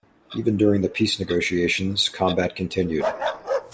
Even during the peace negotiations, combat continued.